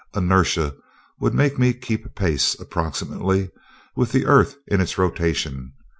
Inertia would make me keep pace, approximately, with the earth in its rotation.